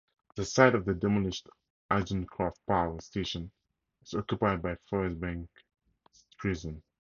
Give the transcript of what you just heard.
The site of the demolished Agecroft Power Station is occupied by Forest Bank Prison.